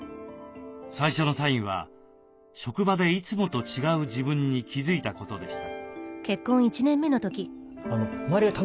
最初のサインは職場でいつもと違う自分に気付いたことでした。